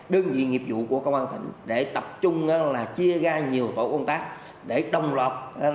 đơn vị nghiệp vụ của công an tỉnh để tập trung là chia ra nhiều tổ công tác để đồng lọt